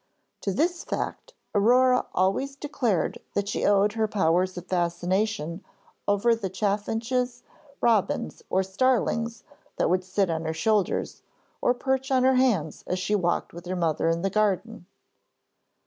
To this fact Aurore always declared that she owed her powers of fascination over the chaffinches, robins, or starlings that would sit on her shoulders or perch on her hands as she walked with her mother in the garden.